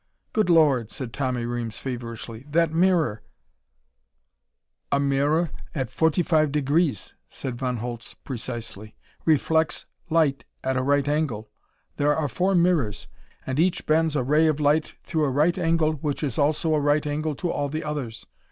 "Good Lord!" said Tommy Reames feverishly. "That mirror " "A mirror at forty five degrees," said Von Holtz precisely, "reflects light at a right angle. There are four mirrors, and each bends a ray of light through a right angle which is also a right angle to all the others.